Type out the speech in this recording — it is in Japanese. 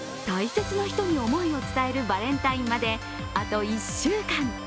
大切な人に思いを伝えるバレンタインまで、あと１週間。